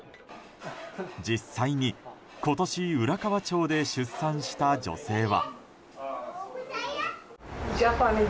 実際に今年浦河町で出産した女性は。